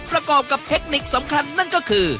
ประกอบกับเทคนิคสำคัญนั่นก็คือ